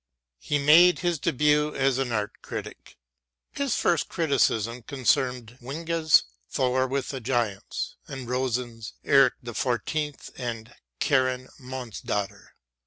He made his début as an art critic. His first criticism concerned Winge's "Thor with the giants" and Rosen's "Eric XIV and Karin Monsdotter."